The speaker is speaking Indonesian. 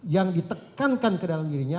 yang ditekankan ke dalam dirinya